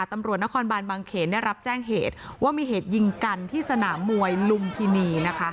ตำรวจนครบานบางเขนได้รับแจ้งเหตุว่ามีเหตุยิงกันที่สนามมวยลุมพินีนะคะ